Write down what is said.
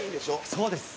「そうです」